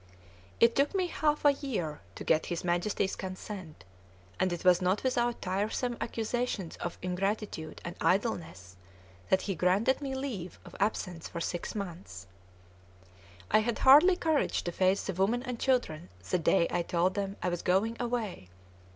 It took me half a year to get his Majesty's consent; and it was not without tiresome accusations of ingratitude and idleness that he granted me leave of absence for six months. I had hardly courage to face the women and children the day I told them I was going away.